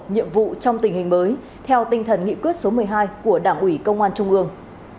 nhiệm vụ trong tình hình mới theo tinh thần nghị quyết số một mươi hai của đảng ủy công an trung ương